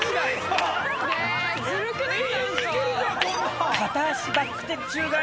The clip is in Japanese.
ずるくない？